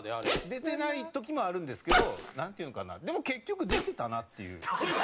出てない時もあるんですけどなんて言うのかなでも結局出てたなっていう。